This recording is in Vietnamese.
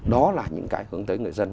đó là những cái hướng tới người dân